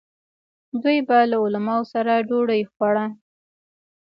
دوی به له علماوو سره ډوډۍ خوړه.